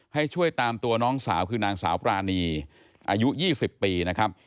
ให้ช่วยตามตัวน้องสาวคือนางสาวปรานีอายุ๒๐ปีนะครับ